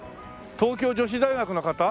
東京女子大学の方？